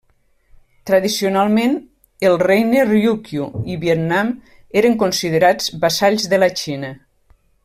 Tradicionalment el regne Ryūkyū i Vietnam eren considerats vassalls de la Xina.